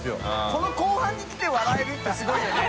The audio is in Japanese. この後半に来て笑えるって垢瓦い茲諭